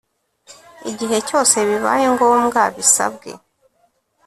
igihe cyose bibaye ngombwa bisabwe